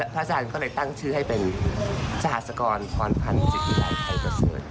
พระอาจารย์ก็เลยตั้งชื่อให้เป็นสหัสกรพรพันธ์จิตอีหลายไทยเกษิร